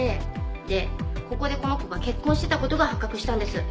でここでこの子が結婚してた事が発覚したんです。